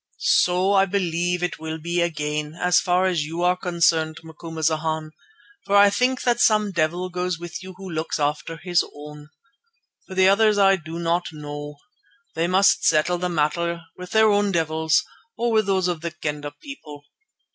So I believe it will be again, so far as you are concerned, Macumazana, for I think that some devil goes with you who looks after his own. For the others I do not know. They must settle the matter with their own devils, or with those of the Kendah people.